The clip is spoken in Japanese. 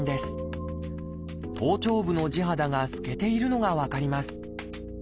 頭頂部の地肌が透けているのが分かります。